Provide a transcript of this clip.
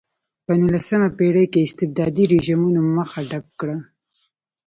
په نولسمه پېړۍ کې استبدادي رژیمونو مخه ډپ کړه.